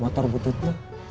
motor butuh tuh